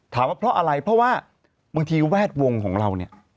ว่าเพราะอะไรเพราะว่าบางทีแวดวงของเราเนี่ย